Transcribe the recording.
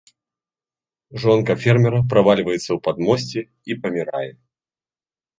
Жонка фермера правальваецца ў падмосце і памірае.